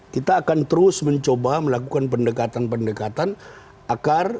kita akan terus mencoba melakukan pendekatan pendekatan agar kita bisa memberi masukan